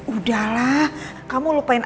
udahlah kamu lupain